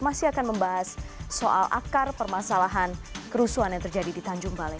masih akan membahas soal akar permasalahan kerusuhan yang terjadi di tanjung balai